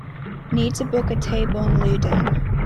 need to book a table in Ludden